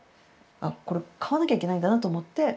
これ、買わなきゃいけないんだなと思って。